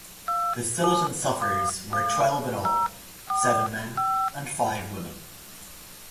The Scillitan sufferers were twelve in all-seven men and five women.